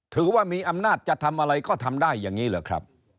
ถือว่ามีอำนาจจะทำอะไรก็ทำได้อย่างนี้เหรอครับ